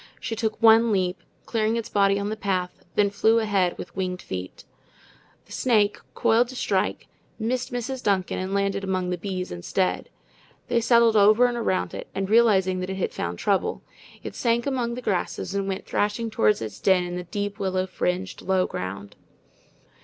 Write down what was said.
She took one leap, clearing its body on the path, then flew ahead with winged feet. The snake, coiled to strike, missed Mrs. Duncan and landed among the bees instead. They settled over and around it, and realizing that it had found trouble, it sank among the grasses and went threshing toward its den in the deep willow fringed low ground.